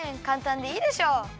かんたんでいいでしょ。